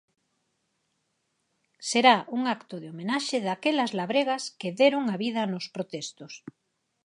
Será un acto de homenaxe daquelas labregas que deron a vida nos protestos.